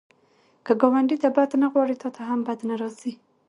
که ګاونډي ته بد نه غواړې، تا ته هم بد نه راځي